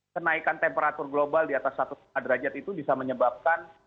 kenaikan temperatur global di atas satu lima derajat itu bisa menyebabkan